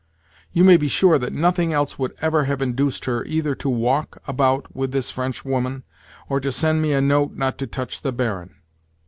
You may be sure that nothing else would ever have induced her either to walk about with this Frenchwoman or to send me a note not to touch the Baron.